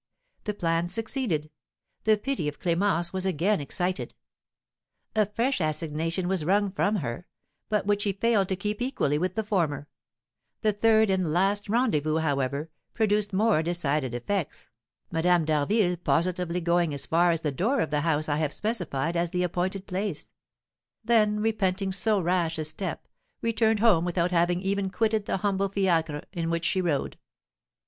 The plan succeeded; the pity of Clémence was again excited; a fresh assignation was wrung from her, but which she failed to keep equally with the former; the third and last rendezvous, however, produced more decided effects, Madame d'Harville positively going as far as the door of the house I have specified as the appointed place; then, repenting so rash a step, returned home without having even quitted the humble fiacre in which she rode.